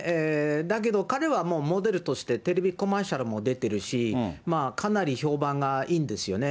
だけど彼はもう、モデルとしてテレビコマーシャルも出ているし、かなり評判がいいんですよね。